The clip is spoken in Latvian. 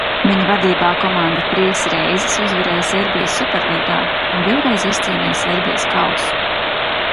Viņa vadībā komanda trīs reizes uzvarēja Serbijas Superlīgā un divreiz izcīnīja Serbijas kausu.